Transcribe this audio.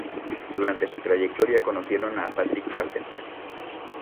Durante su trayectoria conocieron a Patrick Carpenter.